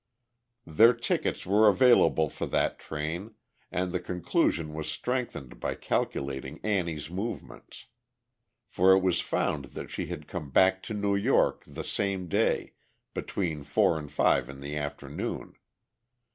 Their tickets were available for that train, and the conclusion was strengthened by calculating Annie's movements. For it was found that she had come back to New York the same day, between four and five in the afternoon.